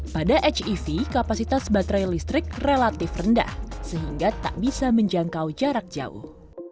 pada hev kapasitas baterai listrik relatif rendah sehingga tak bisa menjangkau jarak jauh